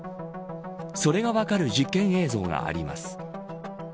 それが分かる実験映像があります。